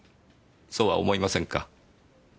そうは思いませんか？